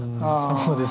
そうですね。